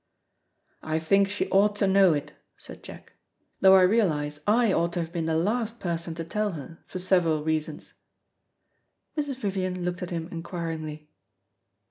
"I think she ought to know it," said Jack, "though I realise I ought to have been the last person to tell her, for several reasons." Mrs. Vivian looked at him inquiringly.